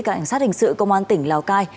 cảnh sát hình sự công an tỉnh lào cai